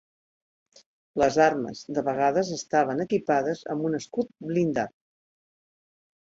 Les armes de vegades estaven equipades amb un escut blindat.